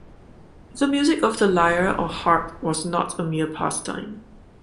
The music of the lyre or harp was not a mere pastime.